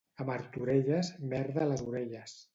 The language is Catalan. A Martorelles, merda a les orelles.